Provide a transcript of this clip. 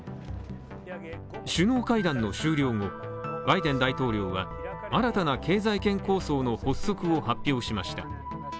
首脳会談の終了後、バイデン大統領は新たな経済圏構想の発足を発表しました。